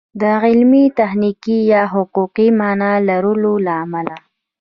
د علمي، تخنیکي یا حقوقي مانا لرلو له امله